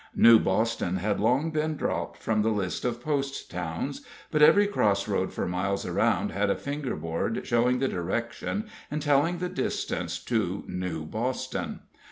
New Boston had long been dropped from the list of post towns, but every cross road for miles around had a fingerboard showing the direction and telling the distance to New Boston.